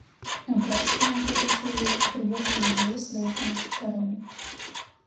Абраз, што знаходзіўся ў ёй, упрыгожвалі дзве срэбныя кароны.